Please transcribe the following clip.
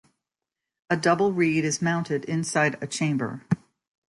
A double reed is mounted inside a chamber.